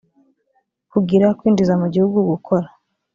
kugira kwinjiza mu gihugu gukora